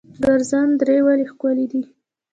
ګرزوان درې ولې ښکلې دي؟